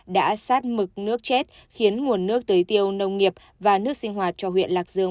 đã sát mực nước chết khiến nguồn nước tưới tiêu nông nghiệp và nước sinh hoạt cho huyện lạc dương